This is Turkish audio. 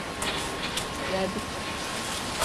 Geldik.